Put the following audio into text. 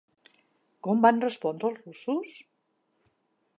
Com van respondre els russos?